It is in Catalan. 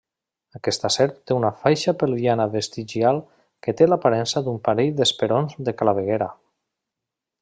Aquesta serp té una faixa pelviana vestigial que té l'aparença d'un parell d'esperons de claveguera.